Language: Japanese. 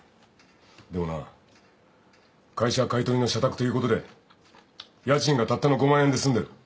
でもな会社買い取りの社宅ということで家賃がたったの５万円で済んでる。